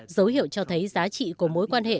dấu hiệu cho thấy giá trị của mối quan hệ